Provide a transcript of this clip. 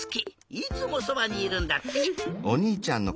いつもそばにいるんだって。